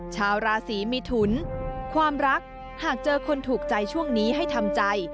ชาวราศีมิถุนความรักหากเจอคนถูกใจช่วงนี้ให้ทำใจ